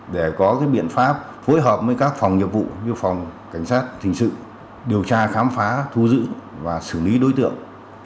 để có biện pháp phối hợp với các phòng nghiệp vụ như phòng cảnh sát hình sự điều tra khám phá thu giữ và xử lý đối tượng